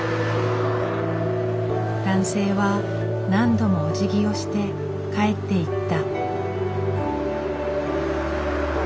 男性は何度もおじぎをして帰っていった。